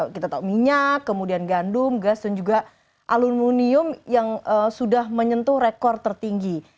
kita tahu minyak kemudian gandum gas dan juga aluminium yang sudah menyentuh rekor tertinggi